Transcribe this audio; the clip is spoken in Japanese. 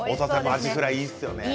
アジフライいいですよね。